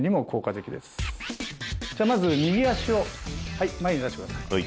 じゃあまず右足を前に出してください。